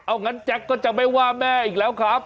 เอางั้นแจ๊คก็จะไม่ว่าแม่อีกแล้วครับ